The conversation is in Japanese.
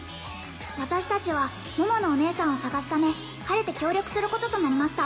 「私たちは桃のお姉さんを探すためはれて協力することとなりました」